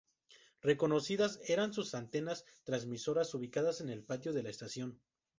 Reconocidas eran sus antenas transmisoras, ubicadas en el patio de la estación.